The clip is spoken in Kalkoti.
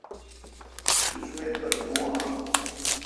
تو جومت پر بھون اؘ۔